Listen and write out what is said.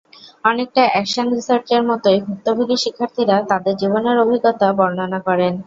অনেকটা অ্যাকশন রিসার্চের মতোই, ভুক্তভোগী শিক্ষার্থীরা তাঁদের জীবনের অভিজ্ঞতা বর্ণনা করেন।